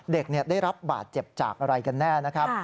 เด็กได้รับบาดเจ็บจากอะไรกันแน่นะครับ